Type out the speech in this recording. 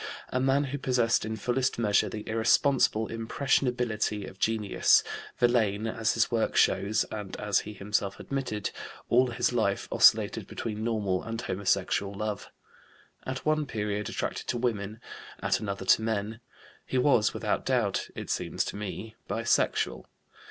A man who possessed in fullest measure the irresponsible impressionability of genius, Verlaine as his work shows and as he himself admitted all his life oscillated between normal and homosexual love, at one period attracted to women, at another to men. He was without doubt, it seems to me, bisexual.